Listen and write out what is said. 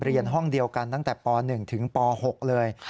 เรียนห้องเดียวกันตั้งแต่ป๑ถึงป๖เลย